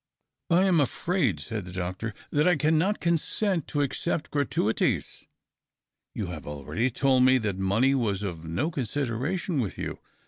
I am afraid," said the doctor, " that I cannot consent to accept gratuities." " You had already told me that money was of no consideration with you.